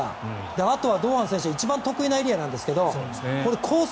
あとは堂安選手が一番得意なエリアなんですがこれコース